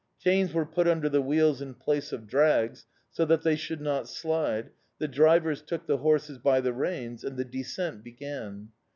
Chains were put under the wheels in place of drags, so that they should not slide, the drivers took the horses by the reins, and the descent began.